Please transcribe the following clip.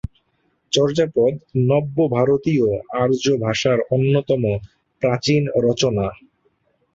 চর্যাপদ নব্য ভারতীয় আর্য ভাষার অন্যতম প্রাচীন রচনা।